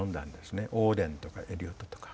オーデンとかエリオットとか。